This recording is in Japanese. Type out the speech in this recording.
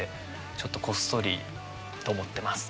ちょっとこっそりと思ってます。